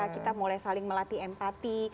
kita mulai saling melatih empati